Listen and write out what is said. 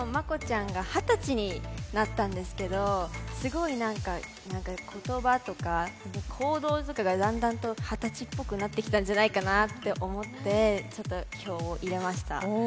今年、ＭＡＫＯちゃんが二十歳になったんですけど、すごい言葉とか行動とかがだんだん二十歳っぽくなってきたんじゃないかと思って票を入れました。